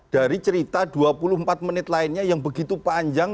dari cerita dua puluh empat menit lainnya yang begitu panjang